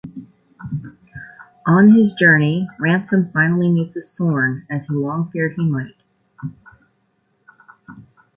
On his journey, Ransom finally meets a "sorn," as he long feared he might.